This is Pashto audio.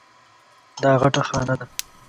دا غټه خانه ده.